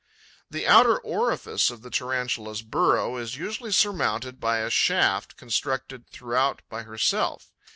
'The outer orifice of the Tarantula's burrow is usually surmounted by a shaft constructed throughout by herself.